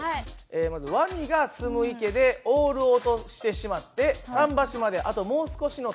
まずワニが住む池でオールを落としてしまって桟橋まであともう少しの所という事ですね。